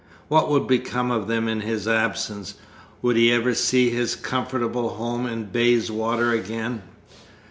What would become of them in his absence? Would he ever see his comfortable home in Bayswater again?